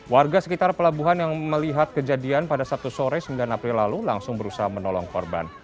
warga sekitar pelabuhan yang melihat kejadian pada sabtu sore sembilan april lalu langsung berusaha menolong korban